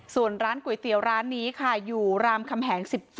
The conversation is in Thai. ส่วนร้านก๋วยเตี๋ยวร้านนี้ค่ะอยู่รามคำแหง๑๗